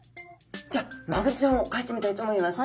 じゃあマグロちゃんをかいてみたいと思います。